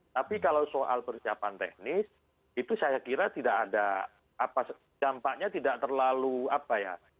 tapi kalau soal persiapan teknis itu saya kira tidak ada dampaknya tidak terlalu apa ya